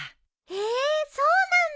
へそうなんだ。